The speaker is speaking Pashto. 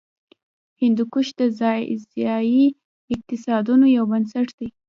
هندوکش د ځایي اقتصادونو یو بنسټ دی.